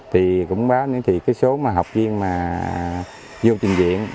thì cũng báo nếu thì cái số mà học viên mà vô trình viện